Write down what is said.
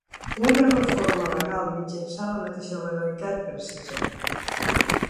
Una reforma legal mitjançant la mateixa legalitat, precisa.